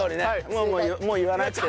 もうもうもう言わなくて。